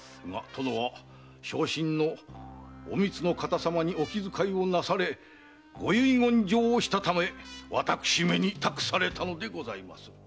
が殿は傷心のお美津の方様にお気遣いをなされご遺言状をしたため私めに託されたのでございます。